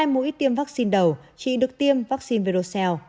hai mũi tiêm vaccine đầu chỉ được tiêm vaccine verocell